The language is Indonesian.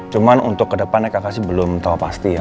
cuma untuk kedepannya kakak sih belum tau pasti ya